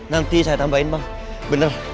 nanti saya tambahin mah bener